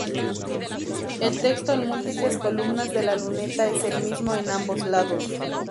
El texto en múltiples columnas de la luneta es el mismo en ambos lados.